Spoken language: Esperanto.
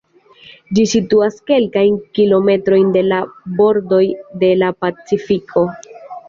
Ĝi situas kelkajn kilometrojn de la bordoj de la Pacifiko.